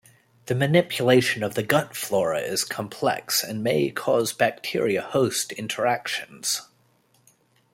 The manipulation of the gut flora is complex and may cause bacteria-host interactions.